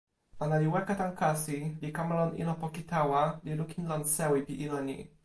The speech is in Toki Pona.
ona li weka tan kasi, li kama lon ilo poki tawa, li lukin lon sewi pi ilo ni.